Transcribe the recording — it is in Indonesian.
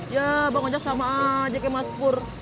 ya bang aja sama aja kayak mas pur